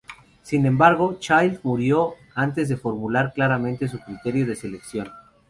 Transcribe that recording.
Sin embargo, Child murió antes de formular claramente su criterio de selección.